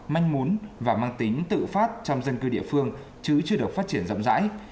manh mún và mang tính tự phát trong dân cư địa phương chứ chưa được phát triển rộng rãi